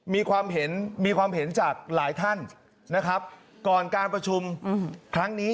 มีความเห็นมีความเห็นจากหลายท่านนะครับก่อนการประชุมครั้งนี้